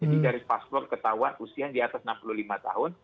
jadi dari paspor ketahuan usia yang di atas enam puluh lima tahun